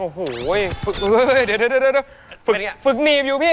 โอ้โหเดี๋ยวฝึกหนีบอยู่พี่